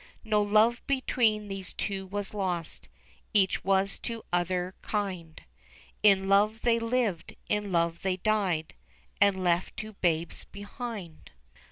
No love between these two was lost, Each was to other kind ; In love they lived, in love they died, And left two babes behind.